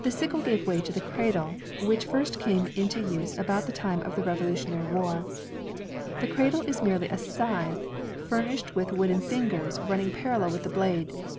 The sickle gave way to the cradle, which first came into use about the time of the Revolutionary War. The cradle is merely a scythe furnished with wooden fingers 144 INVENTIONS OF MANUFACTURE AND PRODUCTION running parallel with the blade.